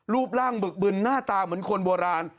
รูปร่างบึกบึนหน้าตาเหมือนคนโบราณ